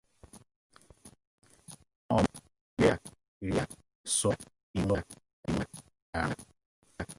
Àwọn ọmọ Nàìjíríà káàkiri àgbáyé sọ ìrírí wọn lórí ààrùn yìí.